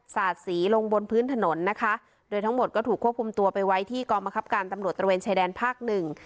สาดสีลงบนพื้นถนนนะคะโดยทั้งหมดก็ถูกควบคุมตัวไปไว้ที่กองบังคับการตำรวจตระเวนชายแดนภาคหนึ่ง